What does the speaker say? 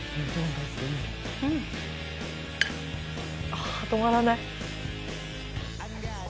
ああ止まらない。